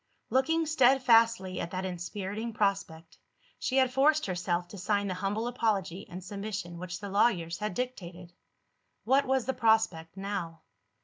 Looking steadfastly at that inspiriting prospect, she had forced herself to sign the humble apology and submission which the lawyers had dictated. What was the prospect now?